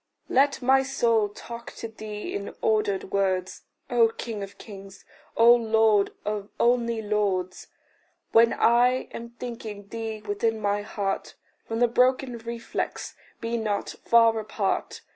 Let my soul talk to thee in ordered words, O king of kings, O lord of only lords! When I am thinking thee within my heart, From the broken reflex be not far apart.